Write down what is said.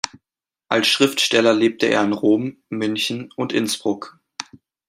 Als Schriftsteller lebte er in Rom, München und Innsbruck.